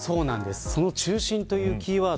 その中心、というキーワード